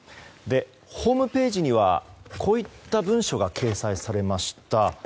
ホームページにはこういった文書が掲載されました。